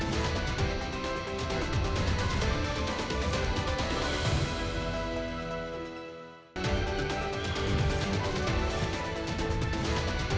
direnjikan dr awang serta